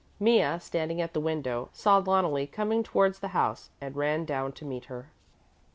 Mea, standing at the window, saw Loneli coming towards the house and ran down to meet her.